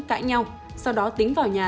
cãi nhau sau đó tính vào nhà